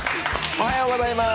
おはようございます。